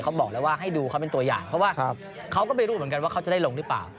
บอกแล้วว่าให้ดูเขาเป็นตัวอย่างเพราะว่าเขาก็ไม่รู้เหมือนกันว่าเขาจะได้ลงหรือเปล่า